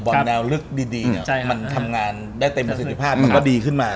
แนวลึกดีเนี่ยมันทำงานได้เต็มประสิทธิภาพมันก็ดีขึ้นมา